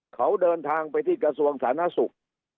เขาเดินทางไปที่กระทรวงสาธารณสุข